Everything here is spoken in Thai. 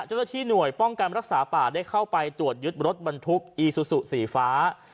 เจ้าหน้าที่หน่วยป้องกันรักษาป่าได้เข้าไปตรวจยึดรถบรรทุกอีซูซูสีฟ้า